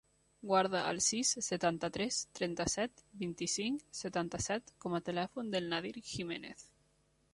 Guarda el sis, setanta-tres, trenta-set, vint-i-cinc, setanta-set com a telèfon del Nadir Gimenez.